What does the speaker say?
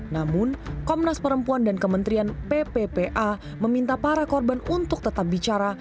namun komnas perempuan dan kementerian pppa meminta para korban untuk tetap bicara